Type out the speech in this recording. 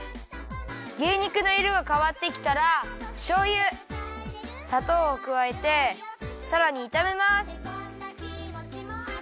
牛肉のいろがかわってきたらしょうゆさとうをくわえてさらにいためます。